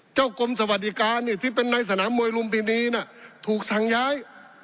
กรมสวัสดิการที่เป็นในสนามมวยลุมพินีถูกสั่งย้าย